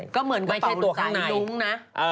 ก็เหมือนว่าใส่ลุ้งนะ